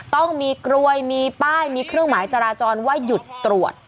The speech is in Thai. ต้องมีกลวยมีป้ายมีเครื่องหมายจราจรว่าหยุดตรวจ